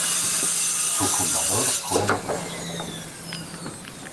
Su fundador fue el Prof.